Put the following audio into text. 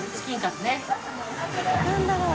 何だろう？